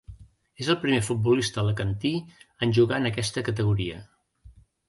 És el primer futbolista alacantí en jugar en aquesta categoria.